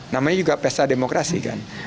namanya juga pesta demokrasi kan